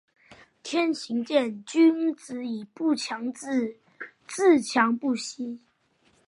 天行健，君子以不强自……自强不息。